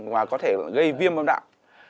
và có thể gây viêm âm đạo